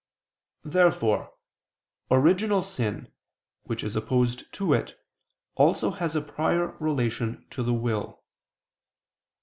Therefore original sin, which is opposed to it, also has a prior relation to the will.